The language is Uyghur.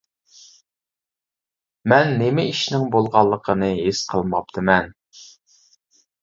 مەن نېمە ئىشنىڭ بولغانلىقىنى ھېس قىلماپتىمەن.